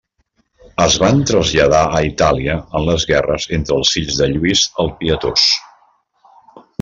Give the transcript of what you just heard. Es van traslladar a Itàlia en les guerres entre els fills de Lluís el Pietós.